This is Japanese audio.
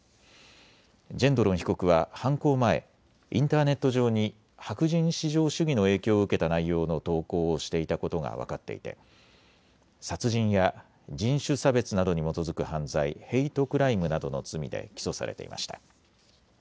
ジェンドロン被告は犯行前、インターネット上に白人至上主義の影響を受けた内容の投稿をしていたことが分かっていて殺人や人種差別などに基づく犯罪・ヘイトクライムなどの罪で起訴されていました。